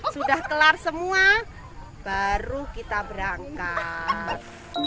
sudah kelar semua baru kita berangkat